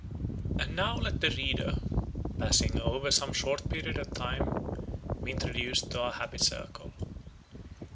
And now let the reader, passing over some short period of time, be introduced to our happy circle.